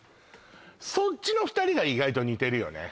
そっちの２人が意外と似てるよね